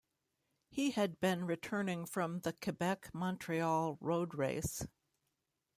He had been returning from the Quebec-Montreal Road Race.